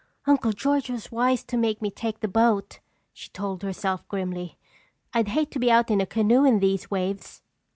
"Uncle George was wise to make me take the boat," she told herself grimly. "I'd hate to be out in a canoe in these waves."